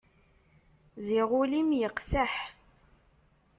Ziɣ ul-im yeqseḥ.